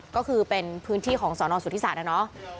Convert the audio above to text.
ก็คือเป็นพื้นที่ของสนสุธิศาสตนะเนาะ